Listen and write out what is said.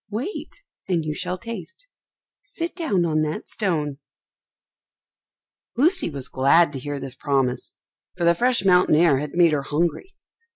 Wait, and you shall taste. Sit down on that stone." Lucy was glad to hear this promise, for the fresh mountain air had made her hungry.